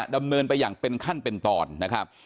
ดำเนินไปอย่างเป็นขั้นเป็นตอนนะครับ